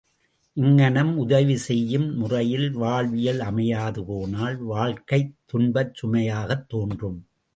இங்ஙனம் உதவி செய்யும் முறையில் வாழ்வியல் அமையாது போனால் வாழ்க்கை துன்பச் சுமையாக தோன்றும்.